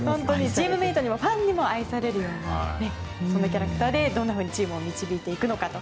チームメートにもファンにも愛されるようなキャラクターでチームをどう導いていくのかと。